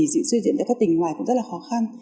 dự diễn cho các tỉnh ngoài cũng rất khó khăn